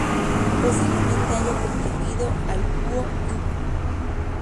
Posiblemente haya contribuido al "Guo Yu".